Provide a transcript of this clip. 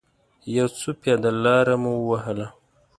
یو څه پیاده لاره مو و وهله.